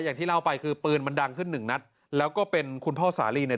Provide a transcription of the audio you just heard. อย่างที่เล่าไปคือปืนมันดังขึ้นหนึ่งนัดแล้วก็เป็นคุณพ่อสาลีเนี่ย